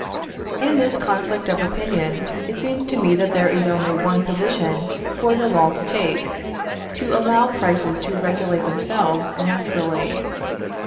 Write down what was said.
In this conflict of opinion it seems to me that there is only one position for the law to take to allow prices to regulate themselves naturally.